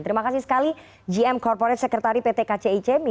terima kasih sekali gm corporate secretary pt kcic